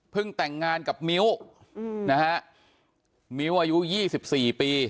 เพิ่งแต่งงานกับมิ้วอืมนะฮะมิ้วอายุยี่สิบสี่ปี